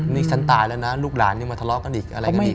นี่ฉันตายแล้วนะลูกหลานยังมาทะเลาะกันอีกอะไรกันอีก